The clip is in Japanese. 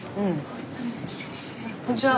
こんにちは。